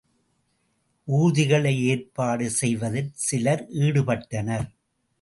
ஊர்திகளை ஏற்பாடு செய்வதில் சிலர் ஈடுபட்டனர்.